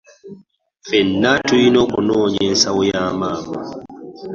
Ffennatulina okunonya ensawo ya maama.